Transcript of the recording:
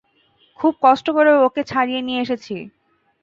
খুব কষ্ট করে ওকে ছাড়িয়ে নিয়ে এসেছি।